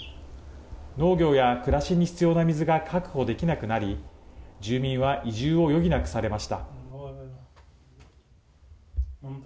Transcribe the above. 農業や暮らしに必要な水が確保できなくなり住民は移住を余儀なくされました。